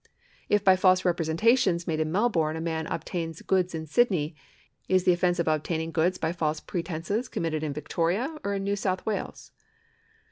If by false representations made in Melbourne a man obtains goods in Sydney, is the offence of obtaining goods by false pretences committed in Victoria or in New South Wales